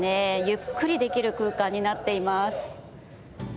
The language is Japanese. ゆっくりできる空間になっています。